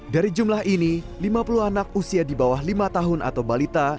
dari jumlah ini lima puluh anak usia di bawah lima tahun atau balita